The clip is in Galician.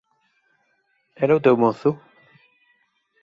Era o teu mozo?